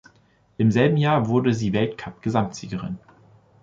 Im selben Jahr wurde sie Weltcup-Gesamtsiegerin.